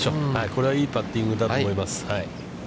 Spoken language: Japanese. これはいいパッティングだと思います。